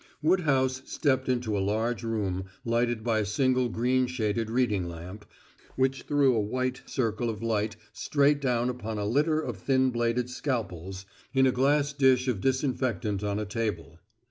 Woodhouse stepped into a large room lighted by a single green shaded reading lamp, which threw a white circle of light straight down upon a litter of thin bladed scalpels in a glass dish of disinfectant on a table.